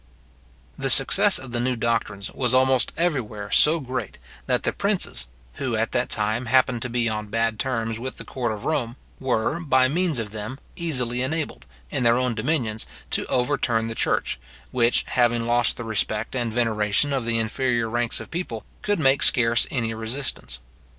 The success of the new doctrines was almost everywhere so great, that the princes, who at that time happened to be on bad terms with the court of Rome, were, by means of them, easily enabled, in their own dominions, to overturn the church, which having lost the respect and veneration of the inferior ranks of people, could make scarce any resistance.